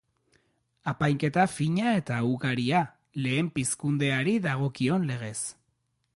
Apainketa fina eta ugaria, Lehen Pizkunde hari dagokion legez.